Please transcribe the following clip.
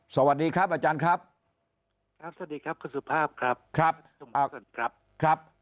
สวัสดีครับอาจารย์ครับครับสวัสดีครับคุณสุภาพครับครับ